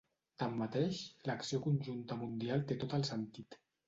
Tanmateix, l’acció conjunta mundial té tot el sentit.